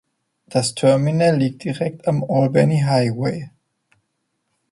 Das Terminal liegt direkt am Albany Highway.